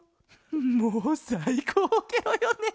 もうさいこうケロよね。